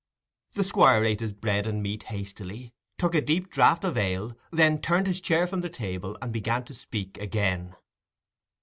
The Squire ate his bread and meat hastily, took a deep draught of ale, then turned his chair from the table, and began to speak again.